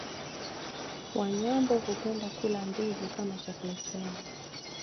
Wanyambo hupenda kula ndizi kama chakula chao